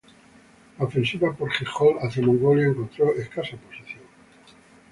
La ofensiva por Jehol hacia Mongolia encontró escasa oposición.